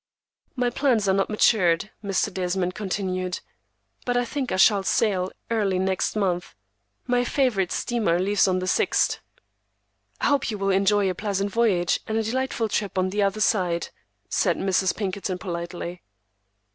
"My plans are not matured," Mr. Desmond continued, "but I think I shall sail early next month. My favorite steamer leaves on the 6th." "I hope you will enjoy a pleasant voyage, and a delightful trip on the other side," said Mrs. Pinkerton politely.